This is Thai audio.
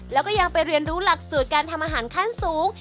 แล้วก็ยังไปเรียนรู้หลักสูตรการทำอาหารขั้นสูง